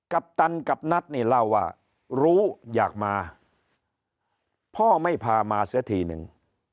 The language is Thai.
ปตันกับนัทนี่เล่าว่ารู้อยากมาพ่อไม่พามาเสียทีนึง